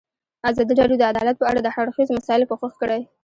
ازادي راډیو د عدالت په اړه د هر اړخیزو مسایلو پوښښ کړی.